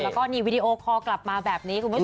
แล้วก็นี่วีดีโอคอลกลับมาแบบนี้คุณผู้ชม